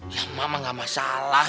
ya mama gak masalah